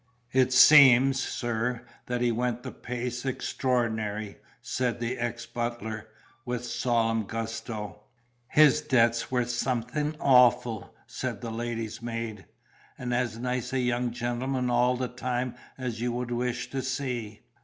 "It seems, sir, that he went the pace extraordinary," said the ex butler, with a solemn gusto. "His debts were somethink awful," said the lady's maid. "And as nice a young gentleman all the time as you would wish to see!"